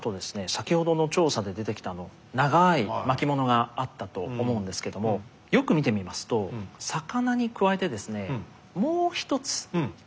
先ほどの調査で出てきたあの長い巻物があったと思うんですけどもよく見てみますと魚に加えてですね